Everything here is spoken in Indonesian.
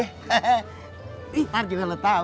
hehehe ntar juga lo tau